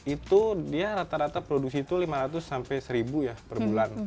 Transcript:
itu dia rata rata produksi itu lima ratus sampai seribu ya per bulan